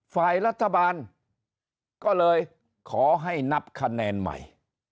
ฝ่ายรัฐบาลก็เลยขอให้นับคะแนนใหม่